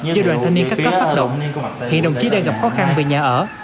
do đoàn thanh niên các cấp phát động hiện đồng chí đang gặp khó khăn về nhà ở